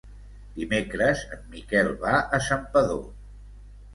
Dimecres en Miquel va a Santpedor.